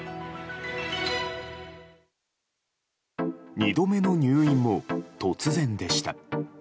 ２度目の入院も突然でした。